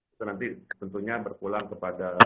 itu nanti tentunya berpulang kepada